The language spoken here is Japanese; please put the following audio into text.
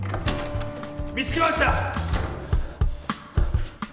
見つけました！